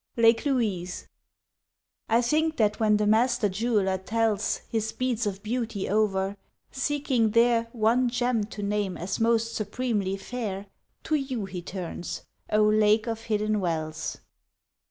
Lake Louise I THINK that when the Master Jeweler tells His beads of beauty over, seeking there One gem to name as most supremely fair, To you He turns, O lake of hidden wells!